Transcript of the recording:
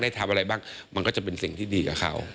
ทำอะไรบ้างมันก็จะเป็นสิ่งที่ดีกับเขา